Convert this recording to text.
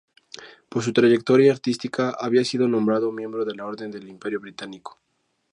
Por su trayectoria artística, había sido nombrado miembro de la Orden del Imperio Británico.